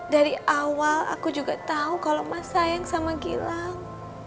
dari awal aku juga tahu kalau mas sayang sama gilang